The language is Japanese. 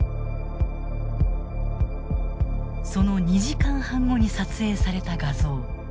その２時間半後に撮影された画像。